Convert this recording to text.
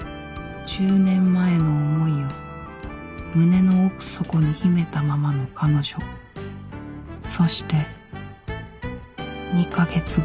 １０年前の想いを胸の奥底に秘めたままの彼女そして２か月後